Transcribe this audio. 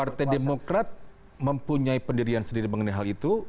partai demokrat mempunyai pendirian sendiri mengenai hal itu